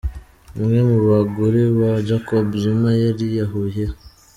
Umwe mu bagore ba Jacob Zuma yariyahuye